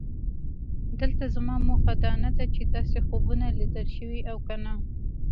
دلته زما موخه دا نه ده چې داسې خوبونه لیدل شوي او که نه.